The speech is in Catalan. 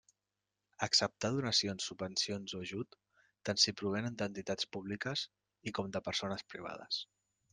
Acceptar donacions, subvencions o ajuts, tant si provenen d'entitats públiques i com de persones privades.